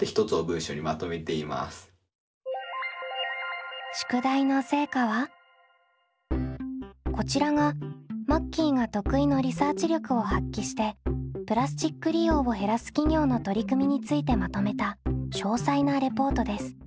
今自宅なんですけどこちらがマッキーが得意のリサーチ力を発揮してプラスチック利用を減らす企業の取り組みについてまとめた詳細なレポートです。